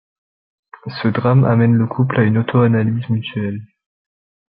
Ce drame amène le couple à une autoanalyse mutuelle.